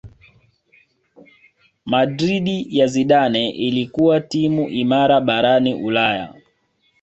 Madrid ya Zidane ilikuwa timu imara barani Ulaya